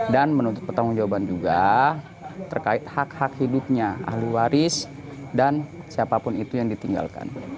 dan menuntut pertanggung jawaban juga terkait hak hak hidupnya ahlu waris dan siapapun itu yang ditinggalkan